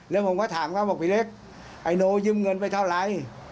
แล้วผมก็ถามเขาบอกพี่เล็กไอ้โนยืมเงินไปเท่าไร